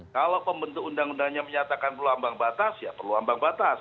kalau pembentuk undang undangnya menyatakan perlu ambang batas ya perlu ambang batas